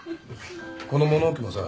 この物置もさ